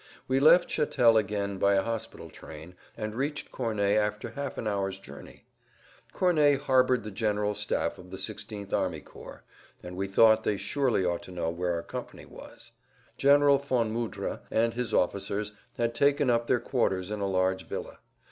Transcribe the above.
We left Chatel again by a hospital train, and reached Corney after half an hour's journey. Corney harbored the General Staff of the 16th Army Corps, and we thought they surely ought to know where our company was. General von Mudra and his officers had taken up their quarters in a large villa.